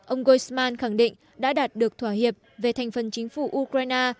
ông goisman khẳng định đã đạt được thỏa hiệp về thành phần chính phủ ukraine